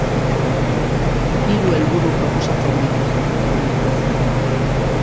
Hiru helburu proposatzen dituzte, adibidez.